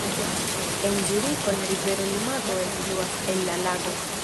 En Zuriko la rivero Limato elfluas el la lago.